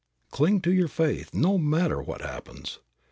Cling to your faith no matter what happens.